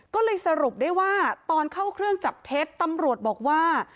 ก็เลยสรุปได้ว่าตอนเข้าเครื่องจับเท็จตำรวจบอกว่า